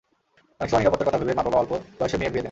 অনেক সময় নিরাপত্তার কথা ভেবে মা–বাবা অল্প বয়সে মেয়ের বিয়ে দেন।